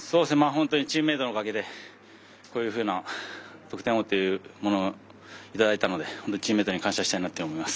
チームメートのおかげでこういうような得点王というものをいただいたので感謝したいと思います。